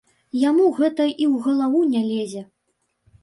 Яму гэта і ў галаву не лезе.